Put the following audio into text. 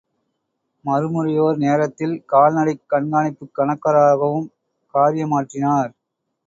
மறுமுறையோர் நேரத்தில் கால்நடைக் கண்காணிப்புக் கணக்கராகவும் காரியமாற்றினார்!